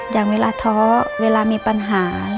อย่างเวลาท้อเวลามีปัญหา